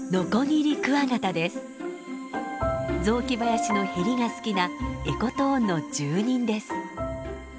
雑木林のへりが好きな「エコトーン」の住人です。